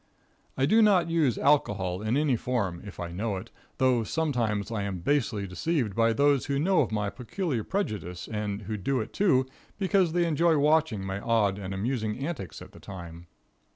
I do not use alcohol in any form, if I know it, though sometimes I am basely deceived by those who know of my peculiar prejudice, and who do it, too, because they enjoy watching my odd and amusing antics at the time.